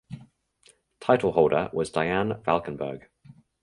Title holder was Diane Valkenburg.